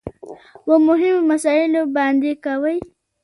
په مهمو مسايلو باندې کوي .